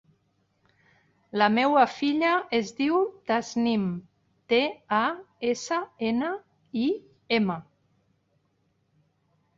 La meva filla es diu Tasnim: te, a, essa, ena, i, ema.